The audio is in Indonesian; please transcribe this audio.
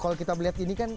kalau kita melihat ini kan